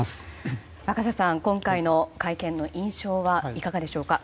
若狭さん、今回の会見の印象はいかがでしょうか。